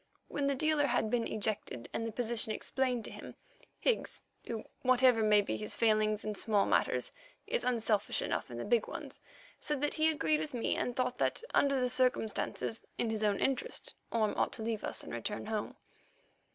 When the dealer had been ejected and the position explained to him, Higgs, who whatever may be his failings in small matters, is unselfish enough in big ones, said that he agreed with me and thought that under the circumstances, in his own interest, Orme ought to leave us and return home.